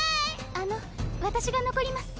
あの私が残ります。